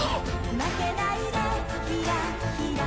「負けないでひらひら」